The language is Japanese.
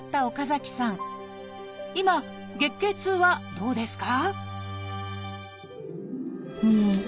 今月経痛はどうですか？